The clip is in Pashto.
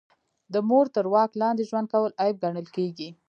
د مور تر واک لاندې ژوند کول عیب ګڼل کیږي